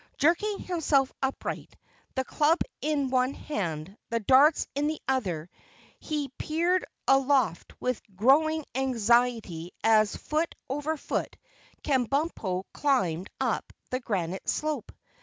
Jerking himself upright, the club in one hand, the darts in the other, he peered aloft with growing anxiety as foot over foot Kabumpo climbed up the granite slope.